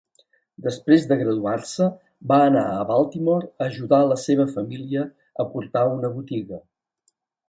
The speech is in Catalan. Després de graduar-se, va anar a Baltimore a ajudar la seva família a portar una botiga.